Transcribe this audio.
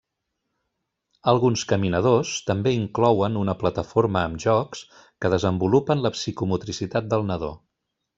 Alguns caminadors també inclouen una plataforma amb jocs que desenvolupen la psicomotricitat del nadó.